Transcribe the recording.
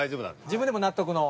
自分でも納得の？